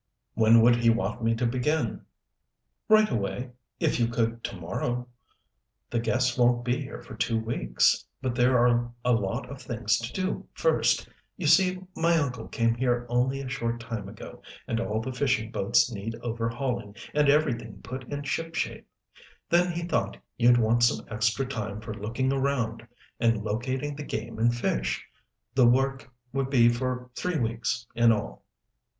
"When would he want me to begin?" "Right away, if you could to morrow. The guests won't be here for two weeks, but there are a lot of things to do first. You see, my uncle came here only a short time ago, and all the fishing boats need overhauling, and everything put in ship shape. Then he thought you'd want some extra time for looking around and locating the game and fish. The work would be for three weeks, in all."